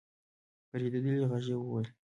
په رېږدېدلې غږ يې وويل: